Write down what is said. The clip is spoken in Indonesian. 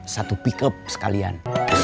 satu pickup sekalian